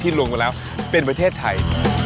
รวมกันแล้วเป็นประเทศไทย